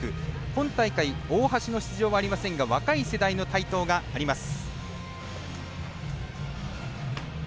今大会大橋の出場はありませんが若い世代の台頭があります。